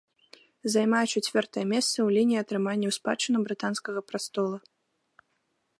Займае чацвёртае месца ў лініі атрымання ў спадчыну брытанскага прастола.